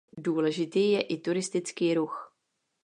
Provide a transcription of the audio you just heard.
Důležitý je i turistický ruch.